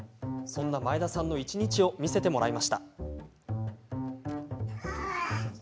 そんな前田さんの一日を見せてもらいました。